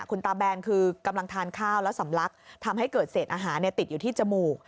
คุณตาแบนคือกำลังทานข้าวและสำลักทำให้เกิดเศษอาหารติดอยู่ที่จมูก